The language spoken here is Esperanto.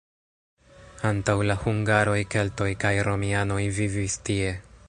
Antaŭ la hungaroj keltoj kaj romianoj vivis tie.